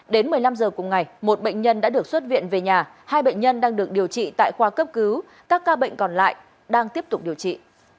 đến một mươi năm h cùng ngày một bệnh nhân đã được xuất viện về nhà hai bệnh nhân đang được điều trị tại khoa cấp cứu các ca bệnh còn lại đang tiếp tục điều trị